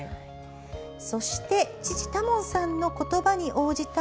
そして父・多聞さんの言葉に応じた